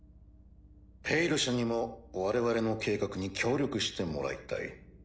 「ペイル社」にも我々の計画に協力してもらいたい。